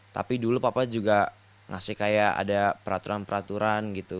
tapi dulu papa juga ngasih kayak ada peraturan peraturan gitu